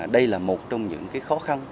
đây là một trong những khó khăn